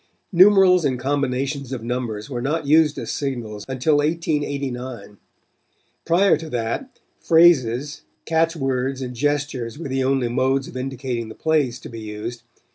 Numerals and combinations of numbers were not used as signals until 1889. Prior to that, phrases, catch words and gestures were the only modes of indicating the plays to be used.